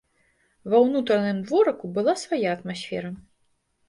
Ва ўнутраным дворыку была свая атмасфера.